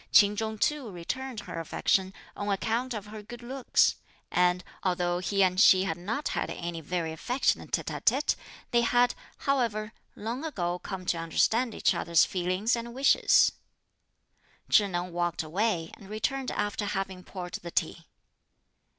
Ch'in Chung too returned her affection, on account of her good looks; and, although he and she had not had any very affectionate tête à têtes, they had, however, long ago come to understand each other's feelings and wishes. Chih Neng walked away and returned after having poured the tea.